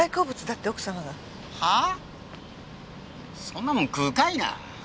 そんなもん食うかいな。